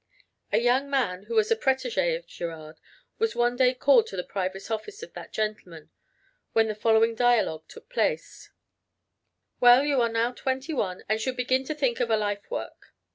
A young man, who was a protege of Girard, was one day called to the private office of that gentleman, when the following dialogue took place: "Well, you are now twenty one, and should begin to think of a life work."